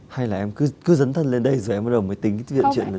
hay là em cứ dấn thân lên đây rồi em bắt đầu mới tính viện chuyện để đi kiếm tiền